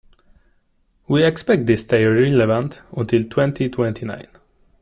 We expect this stay relevant until twenty-twenty-nine.